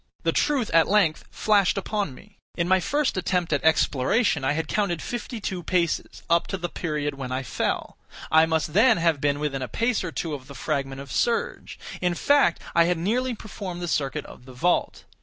The truth at length flashed upon me. In my first attempt at exploration I had counted fifty two paces, up to the period when I fell; I must then have been within a pace or two of the fragment of serge; in fact, I had nearly performed the circuit of the vault.